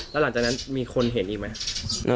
แล้วหลังจากนั้นมีคนเห็นอีกไหม